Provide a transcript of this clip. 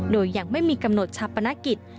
โดยยังไม่มีกำหนดชัพประนักกิจ